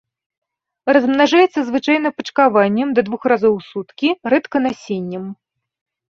Размнажаецца звычайна пачкаваннем да двух разоў у суткі, рэдка насеннем.